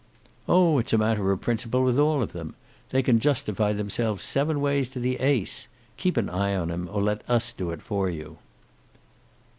"Oh, it's a matter of principle with all of them. They can justify themselves seven ways to the ace. Keep an eye on him, or let us do it for you."